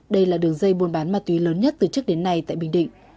đây là đường dây buôn bán ma túy lớn nhất từ trước đến nay tại bình định